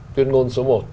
thông số một